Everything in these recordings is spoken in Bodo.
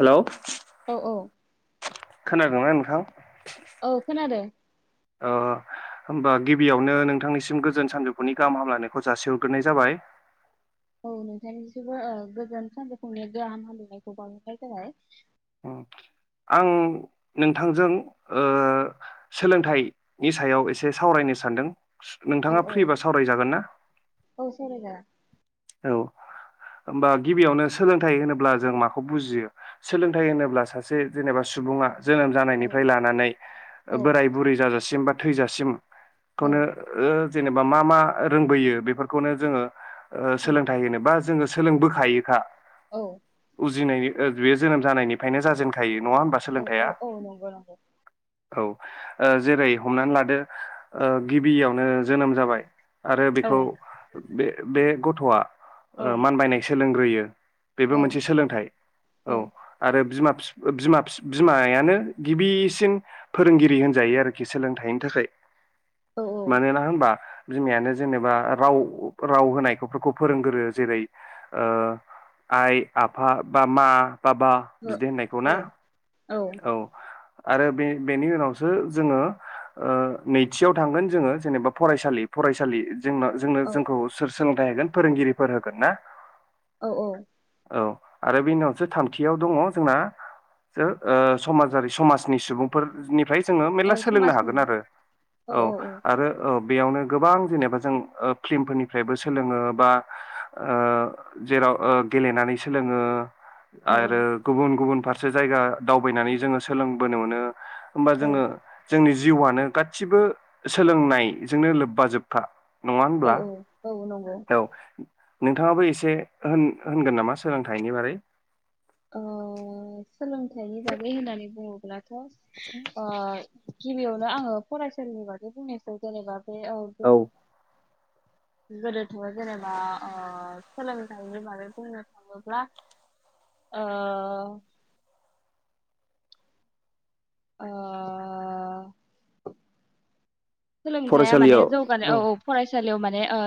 हेलौ औ औ खोनादोंना नोंथां? औ खोनादों। ओ होमबा गिबियावनो नोंथांनिसिम गोजोन सानजौफुनि गाहाम हामलायनायखौ जासिहरग्रोनाय जाबाय। औ नोंथांनिसिमबो ओ गोजोन सानजौफुंनि गाहाम हामलायनायखौ बाउहरनाय जाबाय। उम आं नोंथांजों ओ सोलोंथाइनि सायाव एसे सावरायनो सानदों। औ नोंथाङा औ फ्रि बा सावरायजागोन ना? औ सावरायजागोन औ होमबा गिबियावनो सोलोंथाइ होनोब्ला जों माखौ बुजियो सोलोंथाइ होनोब्ला सासे जेनेबा सुबुङा जोनोम औ जानायनिफ्राय लानानै औ बोराय बुरै जाजा सिम बा थैजासिम औ खौनो ओ जेनेबा मा मा रोंबोयो बेफोरखौनो जोङो ओ औ सोलोंथाइ होनो बा जोङो सोलोंबोखायोखा। औ बुजिनाय ओ बेयो जोनोम जानायनिफ्रायनो जाजेनखायो। नङा होमबा ओ ओ सोलोंथाइया औ नंगौ नंगौ। औ ओ जेरै हमनानै लादो ओ गिबियावनो जोनोम जाबाय आरो औ बेखौ बे बे गथ'वा औ ओ मानबानाय सोलों ग्रोयो। बेबो औ मोनसे सोलोंथाइ औ आरो बिमा फिफ ओ बिमा फिफ बिमायानो गिबिसिन फोरोंगिरि होनजायो आरोखि सोलोंथाइनि थाखाय। मानोना होनबा बिमायानो जेनेबा राव राव होनायखौफोरखौ फोरोंगोरो जेरै ओ आइ आफा बा मा बाबा बिदि होननायखौ ना। औ। आरो बे बेनि उनावसो जोङो ओ नैथियाव थांगोन जोङो जेनेबा फरायसालि फरायसालि जोंनो जोंनो जोंखौ सोर सोलोंथाइ होगोन फोरोंगिरिफोर होगोन ना। औ औ। औ आरो बेनि उनावसो थामथियाव दङ जोंना जो ओ समाजारि समाजनि सुबुं फोरनिफ्राय जोङो मेरला औ सोलोंनो समाजनि हागोन आरो औ आरो औ। बेयावनो गोबां जेनेबा जों फिल्मफोरनिफ्रायबो सोलोङो बा ओ जेराव ओ गेलेनानै सोलोङो। औ आरो गुबुन गुबुन फारसे सो जायगा दावबायनानै जोङो सोलोंबोनो मोनो। होमबा औ जोङो जोंनि जिउआनो गासिबो सोलोंनायजोंनो लोब्बा जोबफा। नङा औ होनब्ला औ औ नं औ। नोंथाङाबो एसे होन होनगोन नामा सोलोंथाइनि बारै? अ। सोलोंथाइनि बागै होननानै बुङोब्ला ओ गिबियावनो आंङो फरायसालिनि बागै बुंनोसै जेनेबा दे औ। गोदोथ जेनेबा ओ सोलोंथाइनि बागै बुंनो थाङोब्ला ओ ओ सोलोंथाइया माने जौगानाय औ औ फरायसा फरायसालियाव माने ओ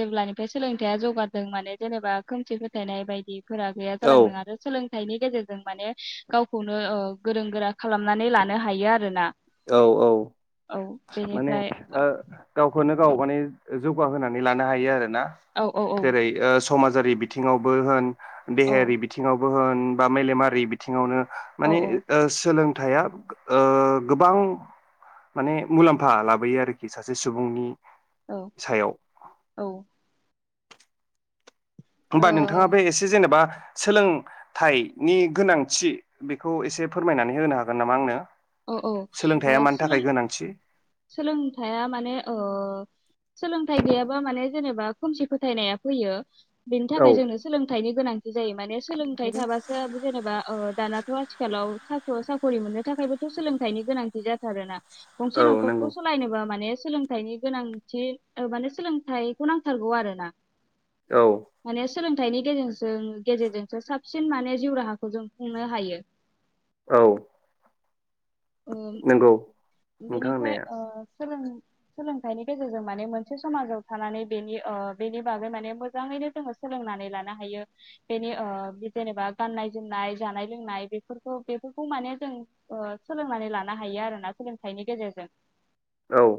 जेब्लानिफ्राय सोलोंथाइया जौगादों माने जेनेबा खोमसि फोथायनाय बायदि फोरा गैया जालांदों आरो सोलों फिथाइनि गेजेरजों माने गावखौनो ओ गोरों गोरा खालामनानै लानो हायो आरो ना। औ औ माने बेनिफ्राय ओ गावखौनो गाव माने जौगाहोनानै लानो हायो आरो। ना औ औ औ जेरै ओ समाजारि बिथिङावबो होन औ देहायारि बिथिङाव बो होन बा मेलेमारि बिथिङावनो औ माने ओ सोलों थाइया ओ गोबां माने मुलाम्फा लाबोयो आरोखि सासे सुबुंनि औ सायाव औ होमबा नोंथाङा बे एसे जेनेबा सोलों थाइ नि गोनांथि बेखौ एसे फोरमायनानै होनो हागोन नामा आंनो? औ औ ओ सोलोंथाइया मानि सोलों थाखाय गोनांथि सोलोंथाइया माने ओ सोलोंथाइ गैयाबा माने जेनेबा खोमसि फोथायनाया फैयो। बेनि औ थाखाय जोंनो सोलोंथाइनि गोनांथि जायो माने सोलोंथाइ थाबासो जेनेबा ओ दानाथ' आथिखालाव साख' साख खरि मोननो थाखायबो थ' सोलोंथाइनि गोनांथि जाथारोना गंसे औ न'खरखौ नंगौ सलायनोबो माने सोलोंथाइनि गोनांथि ओ माने सोलोंथाइखौ नांथारगौ आरोना औ माने सोलोंथाइनि गेजेरजों गेजेरजोंसो साबसिन माने जिउ राहाखौ जों खुंनो हायो। औ ओ नोंगौ। बेनिफ्राय ओ सोलों सोलोंथाइनि गेजेरजों माने मोनसे समाजाव थानानै बेनि ओ बेनि बागै माने मोजाङैनो जोङो सोलोंनानै लानो हायो बेनि ओ जेनेबा गाननाय जोमनाय जानाय लोंनाय बेफोरखौ बेफोरखौ माने जों ओ सोलोंनानै लानो हायो आरोना सोलों थाइनि गेजेरजों औ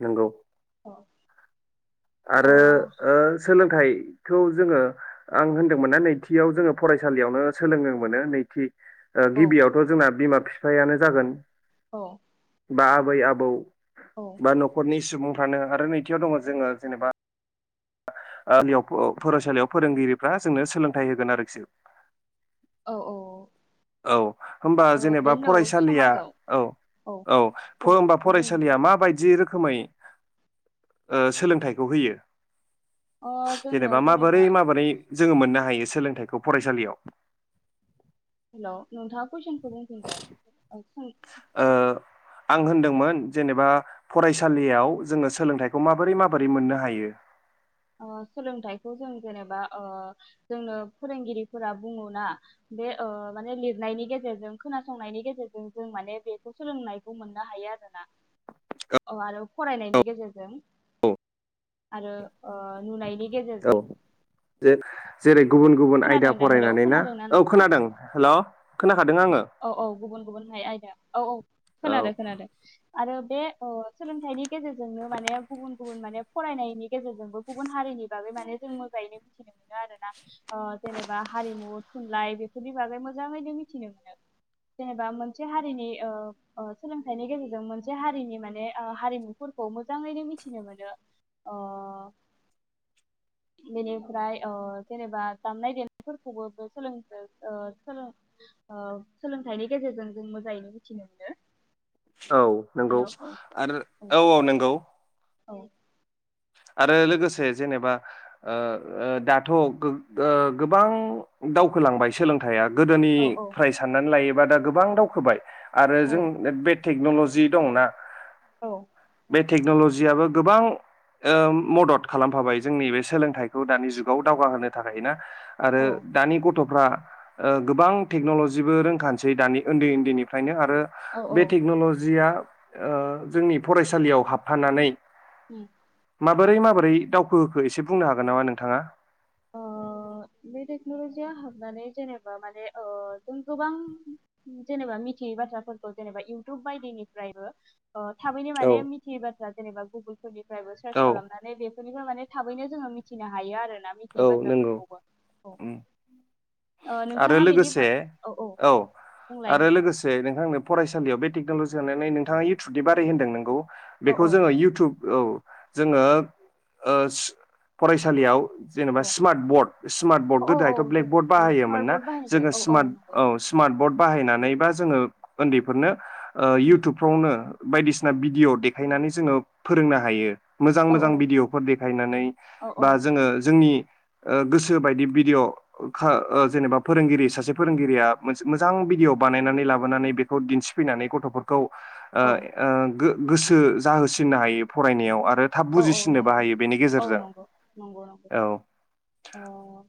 नोंगौ। अ औ आरो ओ सोलों थाइखौ जोङो आं होन्दोंमोन्ना नैथियाव जोङो फरायसालियावनो सोलोंनो मोनो नैथि ओ औ गिबियावथ' जोंना बिमा ब फिफायानो जागोन औ बा आबै आबौ औ बा न'खरनि सुबुं थानो आरो नैथियाव दङ जोङो जेनेबा ओ ओ लियाव फ फरायसालियाव फोरोंगिरिफ्रा जोंनो सोलोंथाइ होगोन आरोखि औ औ औ होमबा जेनेबा फरायसालिया समाजाव औ औ फो बुं होमबा बुं फरायसालिया माबायदि रोख खोमै सोलोंथाइखौ होयो? अ जोंनो जेनेबा माबोरै माबोरै जोङो मोननो हायो सोलोंथाइखौ फरायसालियाव। हेल' नोंथां। कुइसनखौ बुंफिनलाय औ ओ आं होनदोंमोन जेनेबा फरायसालियाव जोङो सोलोंथाइखौ माबोरै माबोरै मोननो हायो? ओसोलोंथाइखौ जों जेनेबा ओ जोंनो फोरोंगिरिफोरा बुङो ना बे ओ माने ओ लिरनायनि गेजेरजों खोनासंनायनि गेजेरजों जों माने बेखौ सोलोंनायखौ मोननो हायो आरोना ओ आरो फरायनायनि गेजेरजों आरो ओ नुनायनि औ गेजेरजों जे जेरै गुबुन गुबुन आयदा खोनादों दा हेलौ फरायनानै ना खोनादोंना औ नोंथाङा? खोनादों हेल' खोना औ औ गुबुन गुबुनहाय आयदा। औ औ औ खोनादो खोनादो आरो बे ओ सोलोंथाइनि गेजेरजोंनो माने गुबुन गुबुन माने फरायनायनि गेजेरजोंबो गुबुन हारिनि बागै माने जों मोजाङैनो मिथिनो मोनो आरो ना ओ जेनेबा हारिमु थुनलाइ बेफोरनि बागै मोजाङैनो मिथिनो मोनो। जेनेबा मोनसे हारिनि ओ ओ सोलोंथाइनि गेजेरजों मोनसे हारिनि माने ओ हारिमुफोरखौ मोजाङैनो मिथिनो मोनो ओ बेनिफ्राय ओ जेनेबा दामनाय देनायफोरखौबो बे सोलों ओ सोलोंथाइनि गेजेरजों जों मोजाङैनो मिथिनो मोनो। औ नोंगौ हेलौ औ आरो औ औ नोंगौ। औ आरो लोगोसे जेनेबा ओ ओ दाथ' गो-गोबां दावखोलांबाय सोलोंथाइया। औ गोदोनिफ्राय साननानै लायो बा दा गोबां दावखोबाय। आरो औ जों नेट बेट टेकनलजि दंना औ बे टेकनलजियाबो गोबां ओ मदद खालामफाबाय जोंनि बे सोलोंथाइखौ दानि जुगाव दावगाहोनो थाखाय ना। आरो औ दानि गथ' फोरा ओ गोबां टेकनलजिबो रोंखानोसै दानि ओन्दै ओन्दैनिफ्रायनो आरो औ बे औ टेकनलजिया ओ जोंनि फरायसालियाव हाबफानानै उम माबोरै माबोरै दावखो होखो एसे बुंनो हागोन नामा नोंथाङा? ओ बे टेकनलजिया हाबनानै जेनेबा माने ओ जों गोबां जेनेबा मिथियै बाथ्राफोरखौ जेनेबा इउटुब बायदिनिफ्रायबो ओ थाबैनो औ माने मिथियोबा बा जेनेबा गुगोल फोरनिफ्रायबो सार्च खालामनानै बे फोरनिफ्राय माने थाबैनो जोङो मिथिनो हायो आरो ना। औ नंगौ ओम ओ आरो नोंथाङा बेनि बा लोगोसे औ बुंलाय आरो नोंथां लोगोसे नोंथांनो फरायसालियाव बे टेकनलजि लालायनाय नोंथाङा इउटुबयारि होनदों नंगौ। औ बेखौ औ जोङो इउटुब औ जोङो ओस फरायसालियाव जेनेबा औ समार्ट बर्ड समार्ट बर्ड औ औ गोदाहायथ' औ जों ब्लेक बरड औ स्मार्ट बाहायोमोनना बर्ड बाहायनायजों जोङो औ औ समार्ट नंगौ औ समार्ट बर्ड बाहायना नै बा जोङो उन्दैफोरनो ओ उम इउटुबफ्रावनो बायदिसिना भिडिअ देखायनानै जोङो फोरोंनो हायो। औ औ मोजां-मोजां भिदिअ'फोर देखायनानै औ औ बा जोङो नि ओ गोसो बायदि भिडिअ' खो जेनेबा फोरोंगिरि सासे फोरोंगिरिया मोनसे मोजां भिडिअ' बानायनानै लाबोनानै बेखौ दिन्थिफैनानै गथ'फोरखौ ओ औ ओ गो गोसो जाहोसिननो हायो फरायनायाव आ रो थाब औ औ बुजिसिननोबो हायो बेनि गेजेरजों। औ ओ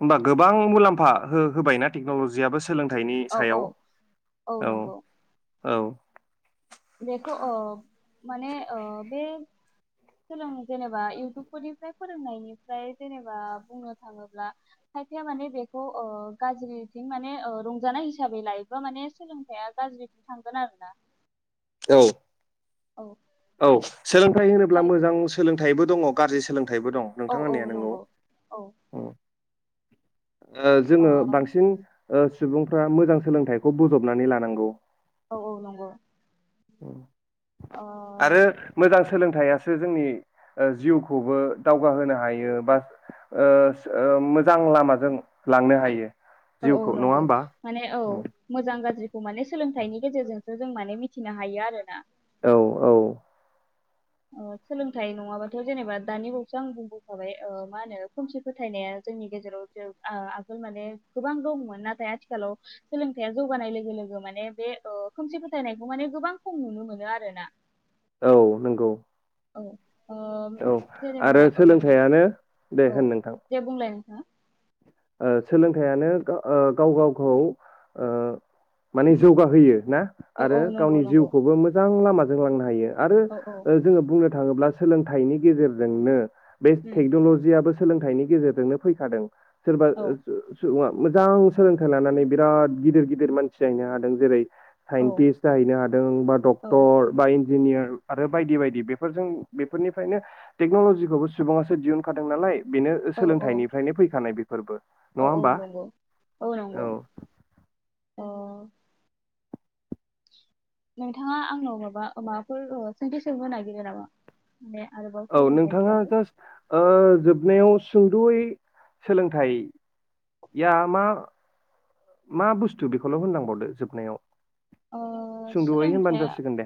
होमबा गोबां मुलामफा हो होबायना टेकन'ल'जियाबो सो सोलोंथाइनि औ औ सायाव औ। औ बेखौ ओ माने ओ बे सोलों जेनेबा इउटुबफोरनिफ्राय फोरोंनायनिफ्राय जेनेबा बुंनो थाङोब्ला खायफाया माने बेखौ ओ गाज्रिथिं माने रंजानाय हिसाबै लायोबा माने सोलोंथाइया गाज्रिथिं थांगोन आरोना। औ औ औ सोलोंथाइ होनोब्ला खाय मोजां सोलोंथाइबो दङ गाज्रि सोलों थाइबो दं औ नोंथां औ होननाया नंगौ औ ओम। [inaudible] ओ जोङो बांसिन ओ सुबुंफ्रा मोजां सोलोंथाइखौ बजबनानै लानांगौ। औ औ नंगौ ओम ओ आरो मोजां सोलोंथाइयासो जोंनि ओ जिउखौबो दावगाहोनो हायो बा ओ ओ मोजां लामाजों लांनो हायो। औ औ जिउखौ नङा नंगौ होमबा? माने औ मोजां गाज्रि माने सोलोंथाइनि गेजेरजोंसो जों माने मिथिनो हायो आरोना। औ औ ओ सोलोंथाइ नङाबाथ' जेनेबा दानि बावैसो आं बुंबोखाबाय मा होनो खोमसि फोथायनाया जोंनि गेजेराव आगोल माने गोबां दंमोन नाथाय आथिखालाव सोलोंथाइया जौगानाय लोगो-लोगो माने बे ओ खोमसि फोथायनायखौ माने गोबां खम नुनो मोनो आरोना। औ नंगौ औ ओ औ जेनेबा आरो औ सोलोंथाइयानो दे होन नोंथां दा ओ सोलोंथाइयानो गा ओ गाव गावखौ ओ माने जौगाहोयो। ना औ औ आरो नंगौ गावनि नंगौ जिउखौबो मोजां लामा जोंलांनो हायो। आरो औ औ ओ जोङो बुंनो थाङोब्ला सोलोंथाइनि गेजेरजोंनो बे उम टेक्न'ल'जियाबो सोलोंथाइनि गेजेरजोंनो फैखादों सोरबा औ जो सुबुङा मोजां सोलोंथाइ लानानै बिराद गिदिर गिदिर मानसि जाहैनो हादों जेरै- औ साइन्टिस्ट जाहैनो हादों बा औ डक्टर बा इन्ज न्जिनियार आरो बायदि बायदि बेफोरजों बेफोरनिफ्रायनो टेक्न'लजिखौबो सुबुङासो दिहुनखादों नालाय बेनो औ सोलोंथाइनिफ्रायनो फैखानाय बे फोरबो औ औ नंगौ औ नंगौ अ नोंथाङा आंनाव माबा माबाफोर ओ सोंटि सों होनो नागिरो नामा? माने आरोबाव औ सोलोंथाइनि नोंथाङा बागै जास्ट ओ जोबनायाव सुंद'यै सोलोंथाइ या मा मा बुस्थु बेखौल' होनलांबावदो जोबनायाव ओ सुंद'यै होनबानो सोलोंथाइया जासिगोन दे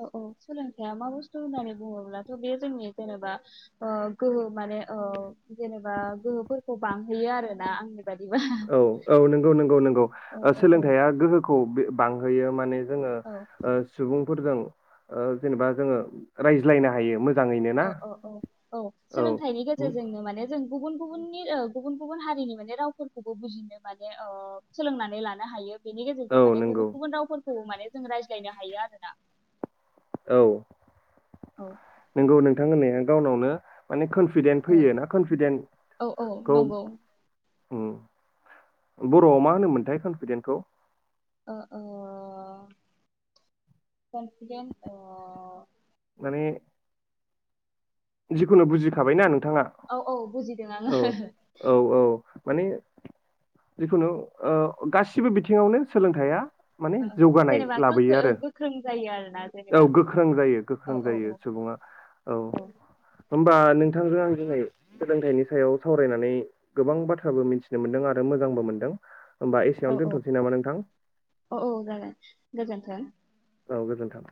औ औ सोलोंथाइया मा बुस्थु होननानै बुङोब्लाथ बे जोंनि जेनेबा गोहो माने ओ जेनेबा गोहोफोरखौ बांहोयो आरोना आं औ औ नंगौ नंगौ नंगौ औ औ औ सोलोंथाइआ गोहोखौ बांहोयो माने जोङो ओ औ सुबुं सुबुंफोजों ओ जेनेबा जोंङो रायज्लायनो हायो। मोजाङैनो ना औ औ औ औ सोलोंथाइनि गेजेरजोंनो माने जों गुबुन गुबुननि गुबुन गुबुन हारिनि माने रावफोरखौबो बुजिनो माने ओ सोलोंनानै लानो हायो। बेनि औ गेजेरजों माने नंगौ गुबुन गुबुन रावफोर खौ माने जों रायज्लायनो हायो आरोना। औ औ नंगौ नोंथां होननाया गावनावनो माने कनफिदेन्ट ओ फैयो ना औ औ कनफिदेन्टखौ नंगौ ओम बर'आव मा होनोमोनथाय कनफिदेन्टखौ? आ ओ कन्फिदेन्ट ओ माने जिखुनु बुजिखाबायना नों नोंथाङा औ औ बुजिदों आङो औ औ औ। माने जिखुनु गासिबो ओ बिथिङावनो सोलोंथाइया माने ओ जौगानाय जेनेबा लाबोयो गोखो आरो ओ गोख्रों जायो आरोना औ जेनेबा गोख्रों जायो औ गोख्रों जायो औ सुबुङा औ। होन्बा नोंथांजों आं दिनै सोलोंथाइनि सायाव सावरायनानै गोबां बाथ्राबो मिथिनो मोनदों आरो मोजांबो मोनदों। होमबा औ एसेयावनो औ दोनथ'नोसै नामा नोंथां औ औ जागोन गोजोन्थों। औ गोजोन्थों।